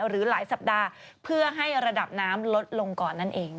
หรือหลายสัปดาห์เพื่อให้ระดับน้ำลดลงก่อนนั่นเอง